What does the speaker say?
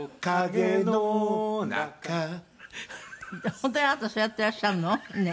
「本当にあなたそれやっていらっしゃるの？ねえ」